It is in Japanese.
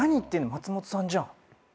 松本さんじゃん」って。